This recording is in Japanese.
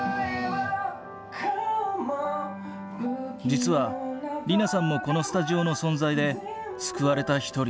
実は莉菜さんもこのスタジオの存在で救われた一人。